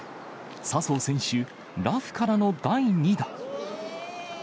笹生選手、ラフからの第２打。